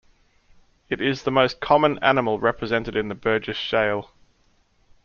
It is the most common animal represented in the Burgess Shale.